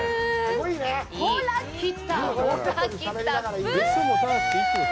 ほら、来た、ほら、来た、プール！